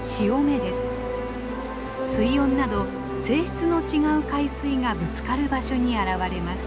水温など性質の違う海水がぶつかる場所に現れます。